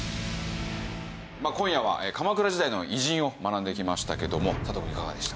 今夜は鎌倉時代の偉人を学んできましたけども佐藤くんいかがでした？